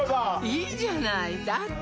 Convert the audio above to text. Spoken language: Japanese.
いいじゃないだって